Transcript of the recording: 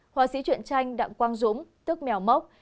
hoàng sĩ truyện tranh đặng quang dũng tức mèo mốc